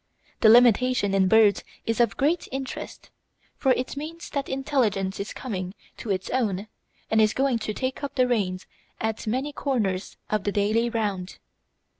The limitation in birds is of great interest, for it means that intelligence is coming to its own and is going to take up the reins at many corners of the daily round.